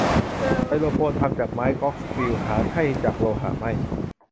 ไซโลโฟน ทำจากไม้กล็อคสปีล หาใช่จากโลหะไม่